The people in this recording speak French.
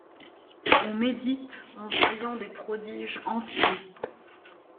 On médite en voyant des prodiges entiers.